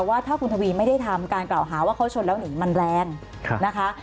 ว่าถ้าคุณทวีไม่ได้ทำการกล่าวหาว่าเขาชนแล้วหนีมันแรงนะคะ